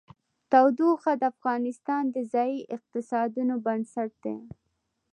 تودوخه د افغانستان د ځایي اقتصادونو بنسټ دی.